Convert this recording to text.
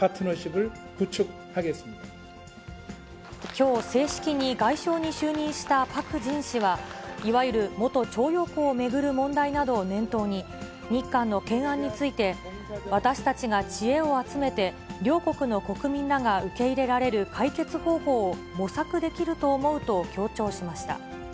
きょう正式に外相に就任したパク・ジン氏は、いわゆる元徴用工を巡る問題などを念頭に、日韓の懸案について、私たちが知恵を集めて、両国の国民らが受け入れられる解決方法を模索できると思うと強調しました。